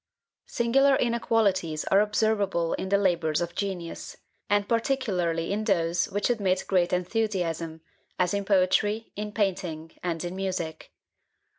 Singular inequalities are observable in the labours of genius; and particularly in those which admit great enthusiasm, as in poetry, in painting, and in music.